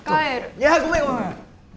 いやごめんごめんごめん！